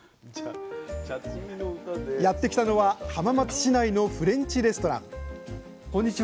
やって来たのは浜松市内のフレンチレストランこんにちは。